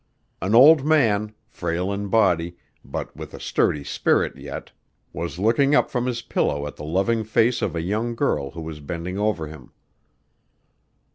An old man, frail in body, but with a sturdy spirit yet, was looking up from his pillow at the loving face of a young girl who was bending over him.